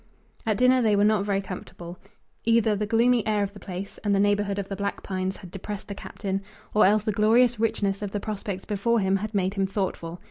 At dinner they were not very comfortable. Either the gloomy air of the place and the neighbourhood of the black pines had depressed the Captain, or else the glorious richness of the prospects before him had made him thoughtful.